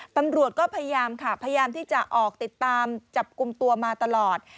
ตำรวจก็พยายามค่ะพยายามที่จะออกติดตามจับกลุ่มตัวมาตลอด